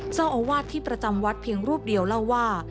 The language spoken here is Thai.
เจ้าอาวาสที่ประจำวัดเพียงรูปเดียวเล่าว่า